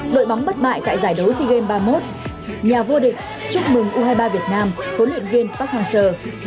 đội bóng bất bại tại giải đấu sea games ba mươi một nhà vô địch chúc mừng u hai mươi ba việt nam huấn luyện viên park hang seo